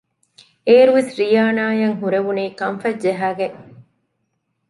އޭރުވެސް ރިޔާނާ އަށް ހުރެވުނީ ކަންފަތް ޖަހައިގެން